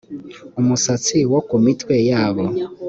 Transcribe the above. umusatsi wo ku mitwe yabo